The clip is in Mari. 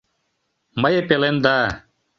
Мые пеленда.